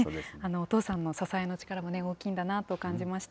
お父さんの支えの力も大きいんだなと感じました。